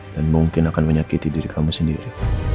dan mungkin akan menyakiti diri kamu sendiri